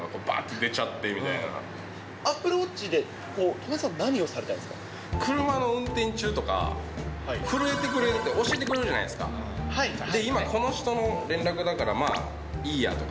出ちゃってみたアップルウォッチで、車の運転中とか、震えてくれるから、教えてくれるじゃないですか、今、この人の連絡だから、まあ、いいやとか。